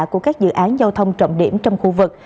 của các dự án giao thông trọng điểm trong khu vực